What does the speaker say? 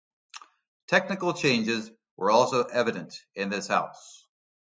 Technical changes were also evident in this house.